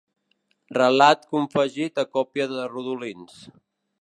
Relat confegit a còpia de rodolins.